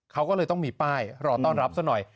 เขาก็เลยต้องมีป้ายรอต้อนรับซะหน่อย